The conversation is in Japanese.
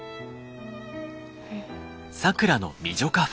うん。